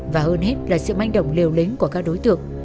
và hơn hết là sự manh động liều lính của các đối tượng